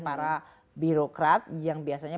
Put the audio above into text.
para birokrat yang biasanya